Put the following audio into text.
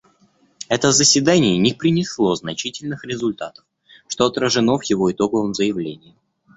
Это заседание не принесло значительных результатов, что отражено в его итоговом заявлении.